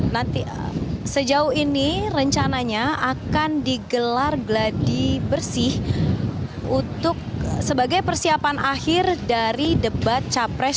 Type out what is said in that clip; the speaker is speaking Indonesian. nanti sejauh ini rencananya akan digelar geladi bersih untuk sebagai persiapan akhir dari debat capres